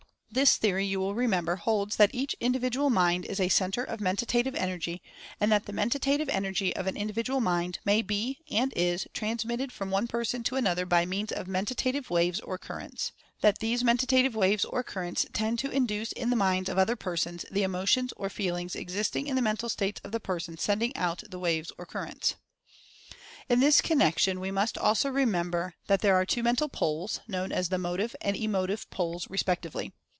This theory, you will remember, holds that each Individual Mind is a Center of Mentative Energy, and that the Menta tive Energy of an Individual Mind may be, and is, transmitted from one person to another by means of 48 Rationale of Fascination 49 Mentative Waves or Currents; (3) that these Menta tive Currents or Waves tend to "induce" in the minds of other persons the emotions or feelings existing in the Mental States of the person sending out the Waves or Currents. In this connection, we must also remember that there are two Mental Poles, known as the Motive and Emotive Poles, respectively.